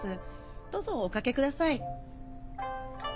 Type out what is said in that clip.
どうぞおかけください。